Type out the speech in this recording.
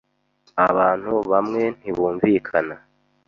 Abantu bamwe ntibumvikana.